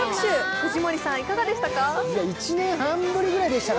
藤森さん、いかがでしたか？